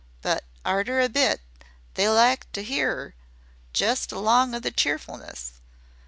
But arter a bit they liked to 'ear 'er just along o' the cheerfleness.